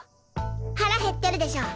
腹減ってるでしょ？